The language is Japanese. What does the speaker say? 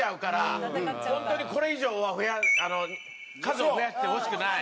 ホントにこれ以上は数を増やしてほしくない。